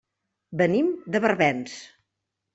Venim de Barbens.